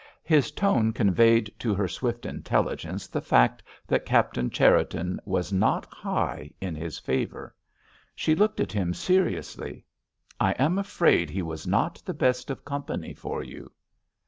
His tone conveyed to her swift intelligence the fact that Captain Cherriton was not high in his favour. She looked at him seriously. "I am afraid he was not the best of company for you."